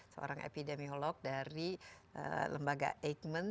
seorang epidemiolog dari lembaga eijkman